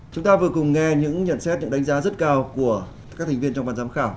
chúng ta vừa cùng nghe những nhận xét những đánh giá rất cao của các thành viên trong ban giám khảo